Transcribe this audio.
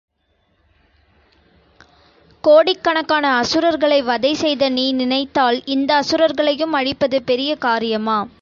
கோடிக் கணக்கான அசுரர்களை வதை செய்த நீ நினைத்தால் இந்த அசுரர்களையும் அழிப்பது பெரிய காரியமா?